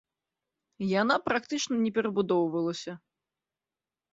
Яна практычна не перабудоўвалася.